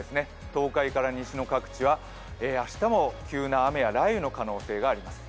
東海から西の各地は明日も急な雨や雷雨の可能性があります。